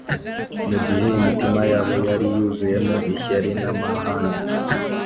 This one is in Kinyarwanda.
mu gihe imitima yabo yari yuzuyemo ishyari n’amahane